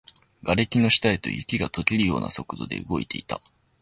瓦礫の下へと、雪が溶けるような速度で動いていた